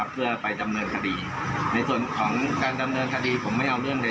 เพื่อไปดำเนินคดีในส่วนของการดำเนินคดีผมไม่เอาเรื่องเลย